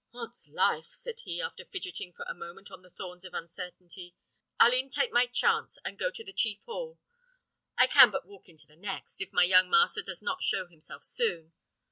"'Ods life!" said he, after fidgeting for a moment on the thorns of uncertainty, "I'll e'en take my chance, and go to the chief hall. I can but walk into the next, if my young master does not show himself soon.